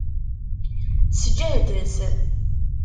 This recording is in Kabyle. Sǧehdet!